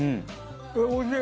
おいしい！